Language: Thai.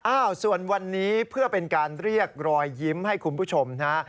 อ้าวส่วนวันนี้เพื่อเป็นการเรียกรอยยิ้มให้คุณผู้ชมนะฮะ